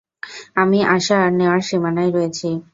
আমি আসা আর নেওয়ার সীমানায় রয়েছি!